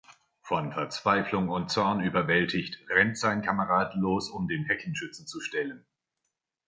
Von Verzweiflung und Zorn überwältigt, rennt sein Kamerad los, um den Heckenschützen zu stellen.